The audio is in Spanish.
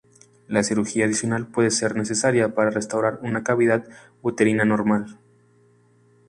La cirugía adicional puede ser necesaria para restaurar una cavidad uterina normal.